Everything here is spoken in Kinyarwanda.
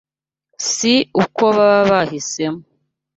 si uko baba babihisemo